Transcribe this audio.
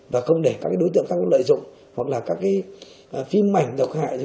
và không để các đối tượng khác có lợi dụng hoặc là các cái phim mảnh độc hại